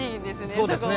そうですね